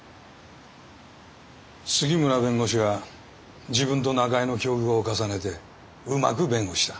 杉村弁護士が自分と中江の境遇を重ねてうまく弁護した。